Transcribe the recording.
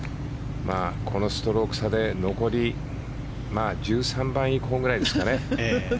このストローク差で残り１３番以降ぐらいですかね。